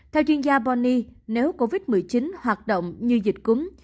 theo chuyên gia bonny nếu covid một mươi chín hoạt động như dịch cúng